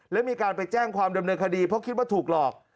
และมีการไปแจ้งความดำเนินคดีเพราะคิดว่าถูกหลอก